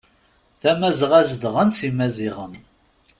Tamazɣa zedɣen-tt imaziɣen.